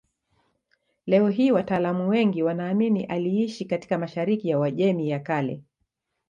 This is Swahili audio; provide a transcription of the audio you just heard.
Leo hii wataalamu wengi wanaamini aliishi katika mashariki ya Uajemi ya Kale.